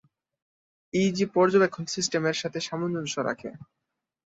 EEG পর্যবেক্ষন system এর সাথে সামঞ্জস্য রাখে।